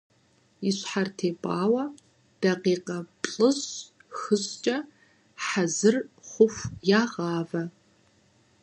И щхьэр тепӀауэ дакъикъэ плӏыщӏ-хыщӏкӏэ, хьэзыр хъуху, ягъавэ.